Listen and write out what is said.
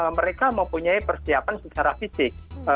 mereka mempunyai persiapan secara fisik